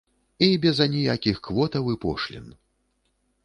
І без аніякіх квотаў і пошлін!